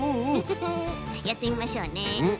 やってみましょうね。